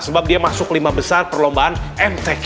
sebab dia masuk lima besar perlombaan mtk